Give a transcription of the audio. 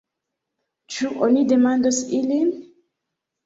Ĉu oni demandos ilin?